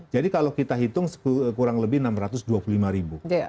jadi kalau kita hitung kurang lebih enam ratus dua puluh lima ribu